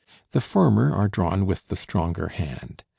The former are drawn with the stronger hand.